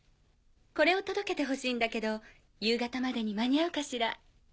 これを届けてほしいんだけど夕方までに間に合うかしら？